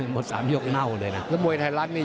หมดสามยกเน่าเลยนะ